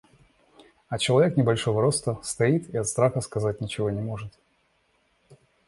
А человек небольшого роста стоит и от страха ничего сказать не может.